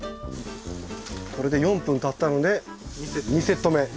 これで４分たったので２セット目。